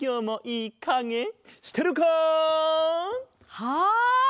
はい！